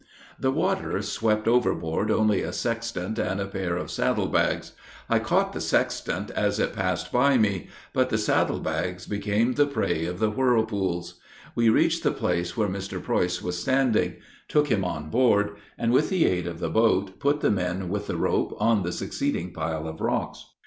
The water swept overboard only a sextant and a pair of saddle bags. I caught the sextant as it passed by me; but the saddle bags became the prey of the whirlpools. We reached the place where Mr. Preuss was standing, took him on board, and, with the aid of the boat, put the men with the rope on the succeeding pile of rocks.